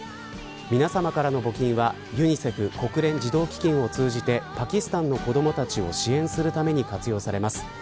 皆さまからの募金はユニセフ＝国連児童基金を通じてパキスタンの子どもたちを支援するために活用されます。